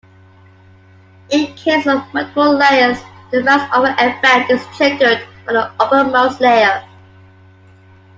In case of multiple layers the mouseover event is triggered by the uppermost layer.